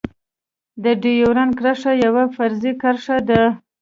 د ډيورند کرښه يوه فرضي کرښه ده.